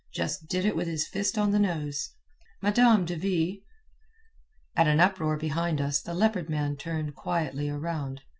Just did it with his fist on the nose. "Madame de Ville—" At an uproar behind us the Leopard Man turned quietly around.